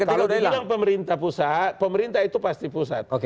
kalau dibilang pemerintah pusat pemerintah itu pasti pusat